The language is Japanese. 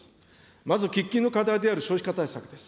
まず、喫緊の課題である少子化対策です。